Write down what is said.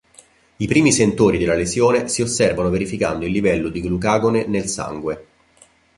I primi sentori della lesione si osservano verificando il livello di glucagone nel sangue.